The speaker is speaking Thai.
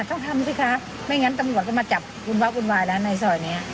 ต้องทำสิคะไม่งั้นตำรวจก็มาจับคุณวะคุณวายแล้วในซอยนี้